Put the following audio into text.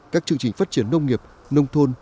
các chương trình phát triển nông nghiệp nông thôn